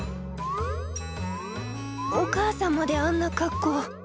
おかあさんまであんな格好。